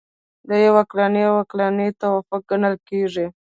دا یو عقلاني او عقلایي توافق ګڼل کیږي.